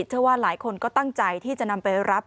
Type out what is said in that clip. เชื่อว่าหลายคนก็ตั้งใจที่จะนำไปรับ